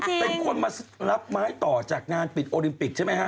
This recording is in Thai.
เป็นคนมารับไม้ต่อจากงานปิดโอลิมปิกใช่ไหมฮะ